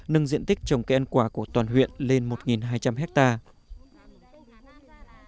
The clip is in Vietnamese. nâng diện tích trồng cây ăn quả của toàn huyện lên một hai trăm linh hectare